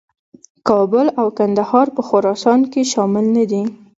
کابل او کندهار په خراسان کې شامل نه دي.